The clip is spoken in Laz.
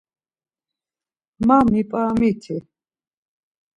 Ma mip̌aramiti.